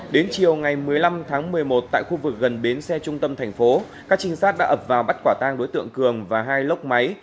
đến chiều ngày một mươi năm tháng một mươi một tại khu vực gần bến xe trung tâm thành phố các trinh sát đã ập vào bắt quả tang đối tượng cường và hai lốc máy